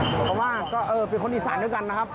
เพราะว่าก็เป็นคนอีสานด้วยกันนะครับ